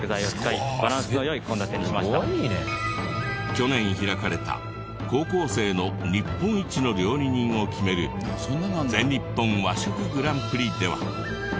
去年開かれた高校生の日本一の料理人を決める全日本ＷＡＳＨＯＫＵグランプリでは。